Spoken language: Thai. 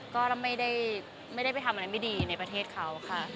ก็ไม่ได้ไปทำอะไรไม่ดีในประเทศเขาค่ะ